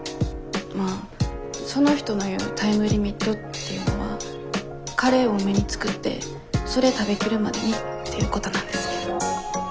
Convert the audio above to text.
まあその人の言うタイムリミットっていうのはカレー多めに作ってそれ食べきるまでにっていうことなんですけど。